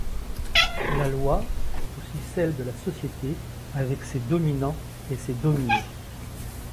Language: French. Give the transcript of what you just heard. La loi, c'est aussi celle de la société avec ses dominants et ses dominés.